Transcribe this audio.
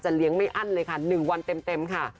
เลี้ยงไม่อั้นเลยค่ะ๑วันเต็มค่ะ